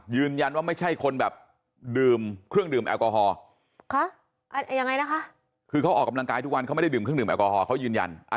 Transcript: ยืนยันว่าไม่ใช่คนแบบดื่มเครื่องดื่มแอลกอฮอล์